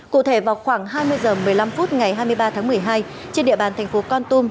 cụ thể vào khoảng hai mươi h một mươi năm phút ngày hai mươi ba tháng một mươi hai trên địa bàn thành phố con tum